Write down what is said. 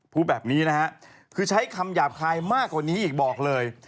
พูดแบบนี้นะฮะคือใช้คำหยาบคายมากกว่านี้อีกบอกเลย